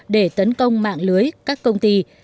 để tấn công mạng lưới các công ty